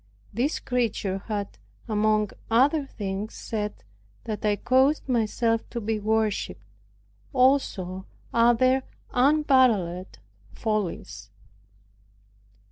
This creature had, among other things, said that I caused myself to be worshiped; also other unparalleled follies.